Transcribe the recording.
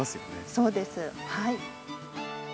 そうですはい。